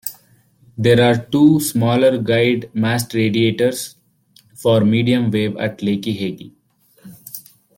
There are two smaller guyed mast radiators for mediumwave at Lakihegy.